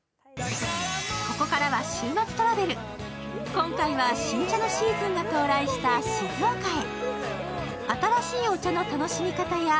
今回は新茶のシーズンが到来した静岡へ。